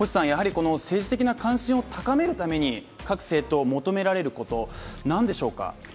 政治的な関心を高めるために各政党、求められること、なんでしょうか？